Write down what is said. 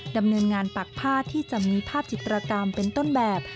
ดำเนินงานปักผ้าที่จะมีภาพจิตรกรรมเป็นต้นแบบ